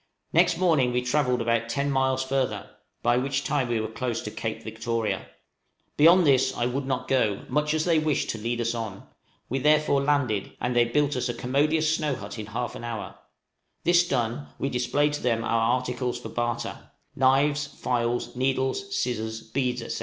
Next morning we travelled about 10 miles further, by which time we were close to Cape Victoria; beyond this I would not go, much as they wished to lead us on; we therefore landed, and they built us a commodious snow hut in half an hour; this done, we displayed to them our articles for barter knives, files, needles, scissors, beads, etc.